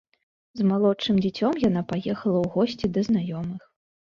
З малодшым дзіцём яна паехала ў госці да знаёмых.